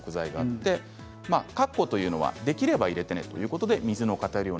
かっこというのはできれば入れてねというものです。